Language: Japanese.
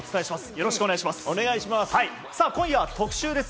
よろしくお願いします。